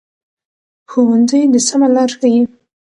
ښوونځی د سمه لار ښيي